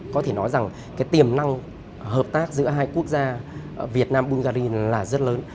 có thể nói rằng tiềm năng hợp tác giữa hai quốc gia việt nam bulgari là rất lớn